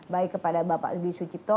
baik kepada bapak budi sucipto